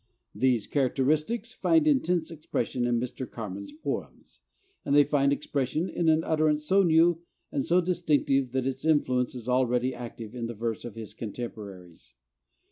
These characteristics find intense expression in Mr. Carman's poems. And they find expression in an utterance so new and so distinctive that its influence is already active in the verse of his contemporaries.